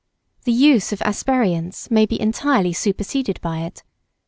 The use of aperients may be entirely superseded by it.